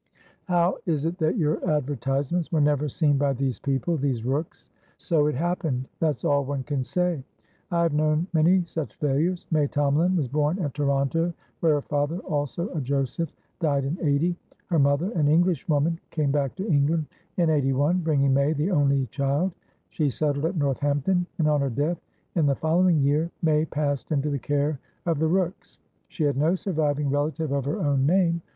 "How is it that your advertisements were never seen by these peoplethese Rookes?" "So it happened, that's all one can say. I have known many such failures. May Tomalin was born at Toronto, where her father, also a Joseph, died in '80. Her mother, an Englishwoman, came back to England in '81, bringing May, the only child; she settled at Northampton, and, on her death in the following year, May passed into the care of the Rookes. She has no surviving relative of her own name.